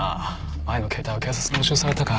前の携帯は警察に押収されたか。